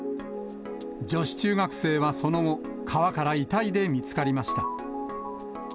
女子中学生はその後、川から遺体で見つかりました。